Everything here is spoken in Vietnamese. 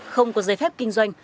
không có giấy phép kinh doanh